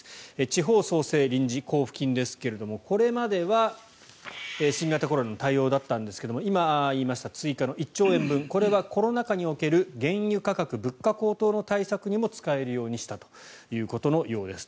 地方創生臨時交付金ですがこれまでは新型コロナの対応だったんですが今言いました追加の１兆円分これはコロナ禍における原油価格、物価高騰の対策にも使えるようにしたということのようです。